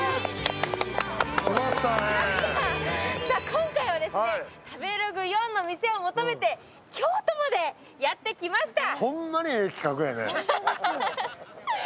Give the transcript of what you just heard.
今回は食べログ４の店を求めて、京都までやってきました。